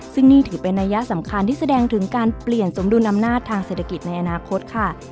ซึ่งนี่ถือเป็นนัยสำคัญที่แสดงถึงการเปลี่ยนสมดุลอำนาจทางเศรษฐกิจในอนาคตค่ะ